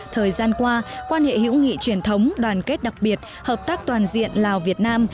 thời gian qua quan hệ hữu nghị truyền thống đoàn kết đặc biệt hợp tác toàn diện lào việt nam